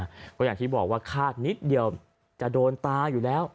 เพราะอย่างที่บอกว่าคาดนิดเดียวจะโดนตาอยู่แล้ว